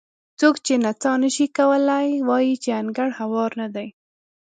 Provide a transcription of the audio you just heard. څوک چې نڅا نه شي کولی وایي چې انګړ هوار نه دی.